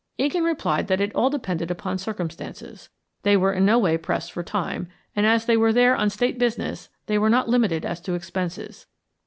Egan replied that it all depended upon circumstances. They were in no way pressed for time, and as they were there on State business they were not limited as to expenses.